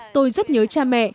tôi rất nhớ cha mẹ